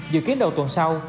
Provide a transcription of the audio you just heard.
dự kiến đầu tuần sau